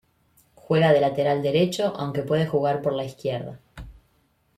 Juega de lateral derecho, aunque puede jugar por la izquierda.